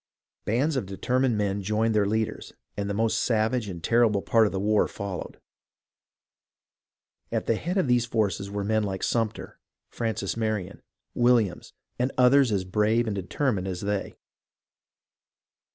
Bands of determined men joined their leaders, and the most savage and terrible part of the war followed. At the head of these forces were men like Sumter, Francis Marion, Williams, and others as brave and determined as they.